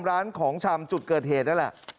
ร้านของชำจุดเกิดเหตุนั่นแหละ